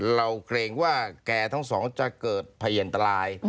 เกรงว่าแกทั้งสองจะเกิดพยันตราย